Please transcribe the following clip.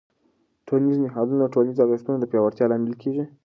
ټولنیز نهادونه د ټولنیزو ارزښتونو د پیاوړتیا لامل کېږي.